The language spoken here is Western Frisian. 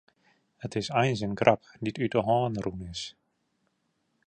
It is eins in grap dy't út de hân rûn is.